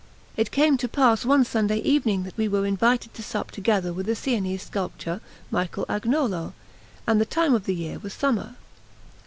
It came to pass one Sunday evening that we were invited to sup together with the Sienese sculptor, Michel Agnolo, and the time of the year was summer.